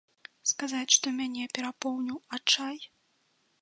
Сказаць, што мяне перапоўніў адчай?